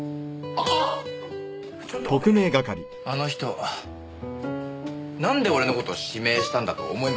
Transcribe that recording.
あの人なんで俺の事指名したんだと思います？